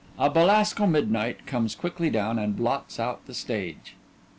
_ _A Belasco midnight comes quickly down and blots out the stage.